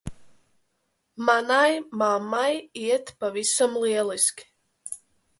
Manai mammai iet pavisam lieliski.